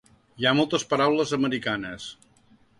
Hi ha moltes paraules americanes.